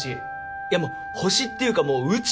いやもう星っていうかもう宇宙？